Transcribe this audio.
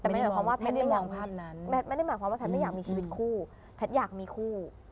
แต่ไม่ได้หมายความว่าแพทย์ไม่อยากมีชีวิตคู่แพทย์อยากมีคู่